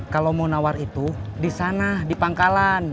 kalau mau nawar itu di sana di pangkalan